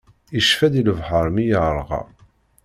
Icfa-d i lebḥeṛ mi yeṛɣa.